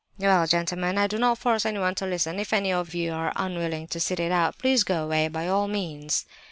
"Well—gentlemen—I do not force anyone to listen! If any of you are unwilling to sit it out, please go away, by all means!"